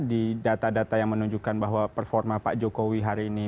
di data data yang menunjukkan bahwa performa pak jokowi hari ini